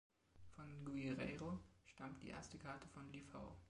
Von Guerreiro stammt die erste Karte von Lifau.